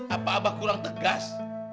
apa abah kurang tegas